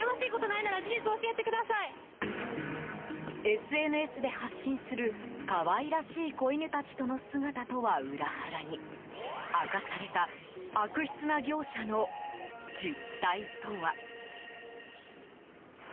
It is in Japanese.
ＳＮＳで発信する、可愛らしい子犬たちとの姿とは裏腹に明かされた悪質な業者の実態とは。